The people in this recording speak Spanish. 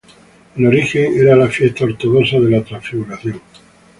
En origen era la fiesta ortodoxa de la Transfiguración de Jesús.